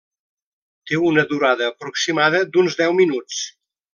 Té una durada aproximada d'uns deu minuts.